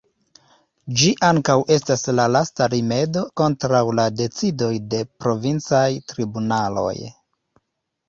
Ĝi ankaŭ estas la lasta rimedo kontraŭ la decidoj de provincaj tribunaloj.